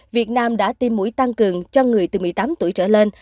việt nam đã tiêm mũi tăng cường cho người từ một mươi tám tuổi trở lên